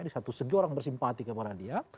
di satu segi orang bersimpati kepada dia